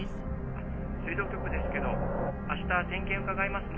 ☎あっ水道局ですけどあした点検伺いますね